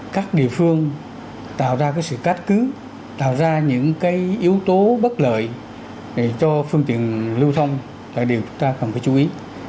các địa phương tạo ra sự cách cứ tạo ra những yếu tố bất lợi cho phương tiện lưu thông là điều chúng ta cần phải chú ý